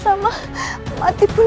kau akan menang